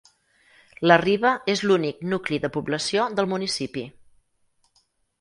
La Riba és l'únic nucli de població del municipi.